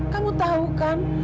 kamu tahu kan